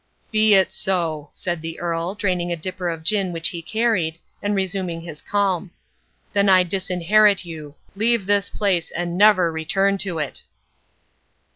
"Be it so," said the Earl, draining a dipper of gin which he carried, and resuming his calm. "Then I disinherit you. Leave this place, and never return to it."